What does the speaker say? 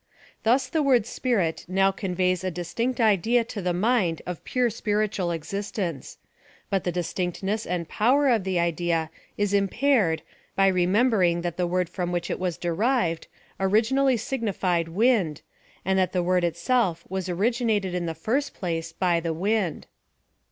Thus the word spirit now conveys a distinct idea to the mind of pure spiritual existence ; but the distinctness and power of the idea is impaired, by remembering that the word from which it was derived, originally signifi PLAN OF SALVATION. 115 ed wind, and that the word itself was originated in the first place by the wind.